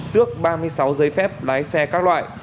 tước ba mươi sáu giấy phép lái xe các loại